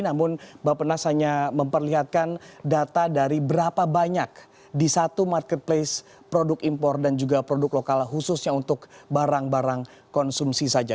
namun bapak nas hanya memperlihatkan data dari berapa banyak di satu marketplace produk impor dan juga produk lokal khususnya untuk barang barang konsumsi saja